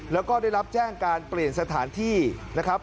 แล้วก็ได้รับแจ้งการเปลี่ยนสถานที่นะครับ